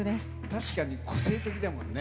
確かに個性的だもんね。